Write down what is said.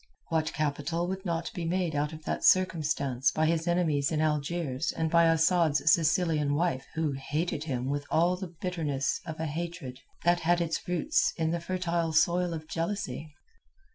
What capital would not be made out of that circumstance by his enemies in Algiers and by Asad's Sicilian wife who hated him with all the bitterness of a hatred that had its roots in the fertile soil of jealousy?